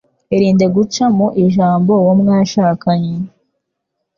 irinde guca mu ijambo uwo mwashakanye